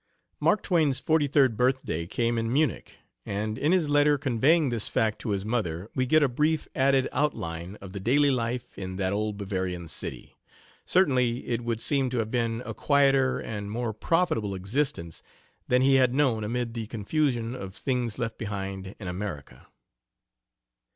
Mark Twain's forty third birthday came in Munich, and in his letter conveying this fact to his mother we get a brief added outline of the daily life in that old Bavarian city. Certainly, it would seem to have been a quieter and more profitable existence than he had known amid the confusion of things left behind in, America.